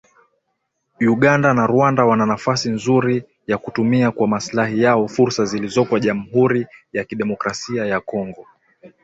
Uganda na Rwanda wana nafasi nzuri ya kutumia kwa maslahi yao fursa zilizoko Jamhuri ya Kidemokrasia ya Kongo